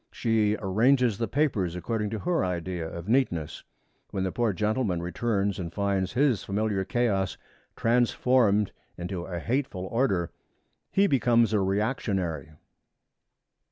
She arranges the papers according to her idea of neatness. When the poor gentleman returns and finds his familiar chaos transformed into a hateful order, he becomes a reactionary.